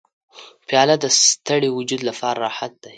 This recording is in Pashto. پیاله د ستړي وجود لپاره راحت دی.